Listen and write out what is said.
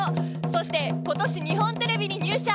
そして、今年日本テレビに入社。